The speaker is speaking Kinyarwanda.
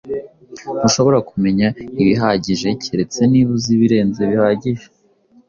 Ntushobora kumenya ibihagije keretse niba uzi ibirenze bihagije.